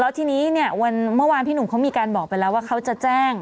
ทีนี้เนี่ยวันเมื่อวานพี่หนุ่มเขามีการบอกไปแล้วว่าเขาจะแจ้ง